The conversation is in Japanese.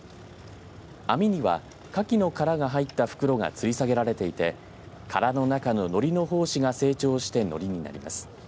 網には、かきの殻が入った袋がつり下げられていて殻の中の、のりの胞子が成長してのりになります。